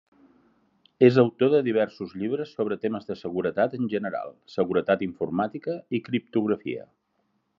És autor de diversos llibres sobre temes de seguretat en general, seguretat informàtica i criptografia.